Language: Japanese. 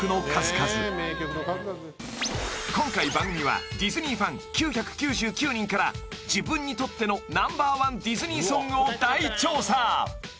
［今回番組はディズニーファン９９９人から自分にとってのナンバーワンディズニーソングを大調査！］